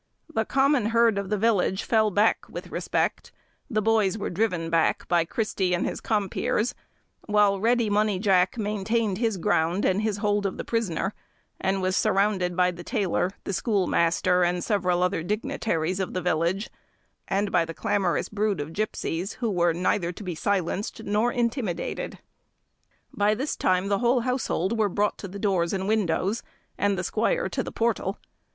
The common herd of the village fell back with respect; the boys were driven back by Christy and his compeers; while Ready Money Jack maintained his ground and his hold of the prisoner, and was surrounded by the tailor, the schoolmaster, and several other dignitaries of the village, and by the clamorous brood of gipsies, who were neither to be silenced nor intimidated. By this time the whole household were brought to the doors and windows, and the squire to the portal.